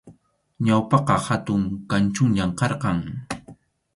Ñawpaqqa hatun kanchunllam karqan.